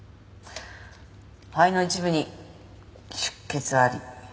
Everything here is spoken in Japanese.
肺の一部に出血あり。